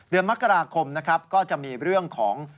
เดือนมกราคมนะครับก็จะมีเรื่องของ